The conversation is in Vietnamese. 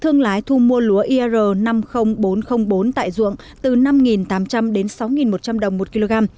thương lái thu mua lúa ir năm mươi nghìn bốn trăm linh bốn tại ruộng từ năm tám trăm linh đến sáu một trăm linh đồng một kg